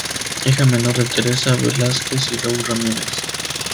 Hija menor de Teresa Velásquez y Raúl Ramírez.